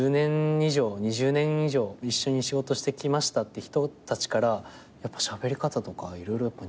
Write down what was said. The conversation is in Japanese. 以上２０年以上一緒に仕事してきましたって人たちから「やっぱしゃべり方とか色々似てますよ」って言われて。